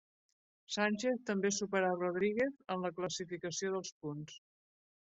Sánchez també superà Rodríguez en la classificació dels punts.